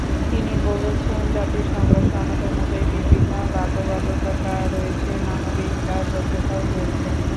তিনি বলেছেন, জাতিসংঘ সনদ অনুযায়ী বিভিন্ন বাধ্যবাধকতা রয়েছে, মানবিক দায়বদ্ধতাও রয়েছে।